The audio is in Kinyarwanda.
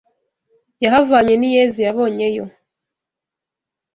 Yahavanye n’iyeze yabonye yo